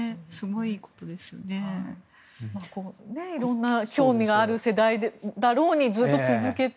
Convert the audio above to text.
いろんな興味がある世代だろうにずっと続けて。